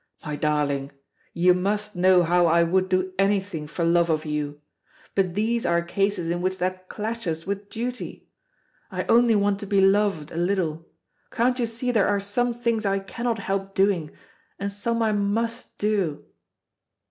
"My darling, you must know how I would do anything for love of you. But these are cases in which that clashes with duty. I only want to be loved a little. Can't you see there are some things I cannot help doing, and some I must do?"